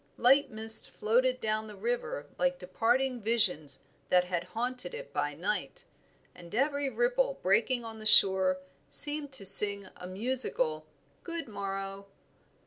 Light mists floated down the river like departing visions that had haunted it by night, and every ripple breaking on the shore seemed to sing a musical good morrow.